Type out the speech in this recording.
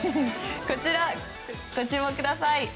こちらご注目ください。